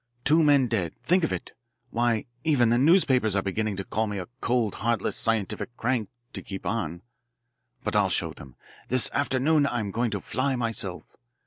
Two men dead think of it. Why, even the newspapers are beginning to call me a cold, heartless, scientific crank, to keep on. But I'll show them this afternoon I'm going to fly myself.